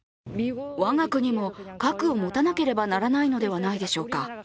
我が国も核を持たなければならないのではないでしょうか。